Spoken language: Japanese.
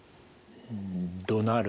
どなる